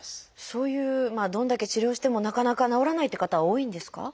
そういうどれだけ治療してもなかなか治らないっていう方は多いんですか？